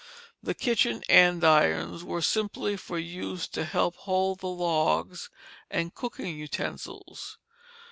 The kitchen andirons were simply for use to help hold the logs and cooking utensils.